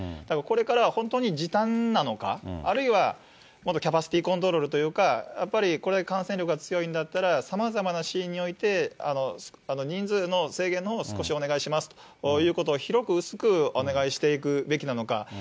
だから、これからは本当に時短なのか、あるいはもっとキャパシティコントロールというか、やっぱりこれだけ感染力が強いんだったら、さまざまなシーンにおいて人数の制限のほうを少しお願いしますということを、広く薄くお願いしていくべきなのか。